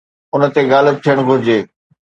ان تي غالب ٿيڻ گهرجي.